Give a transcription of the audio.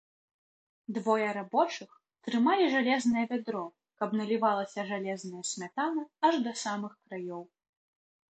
Двое рабочых трымалі жалезнае вядро, каб налівалася жалезная смятана аж да самых краёў.